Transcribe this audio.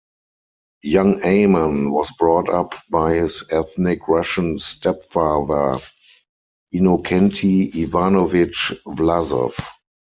Young Aman was brought up by his ethnic Russian stepfather, Innokenty Ivanovich Vlasov.